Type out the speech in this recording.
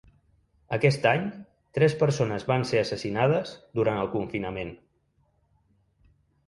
Aquest any, tres persones van ser assassinades durant el confinament.